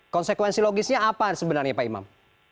konsekuensi logisnya apa sebenarnya pak imam